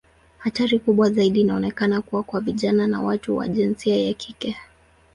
Hatari kubwa zaidi inaonekana kuwa kwa vijana na watu wa jinsia ya kike.